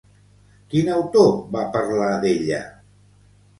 Quin autor va parlar d'ella?